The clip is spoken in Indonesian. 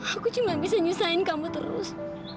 aku cuma bisa nyusahin kamu terus